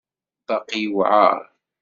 Baqi yewεer.